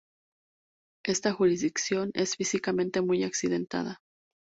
Esta jurisdicción es físicamente muy accidentada.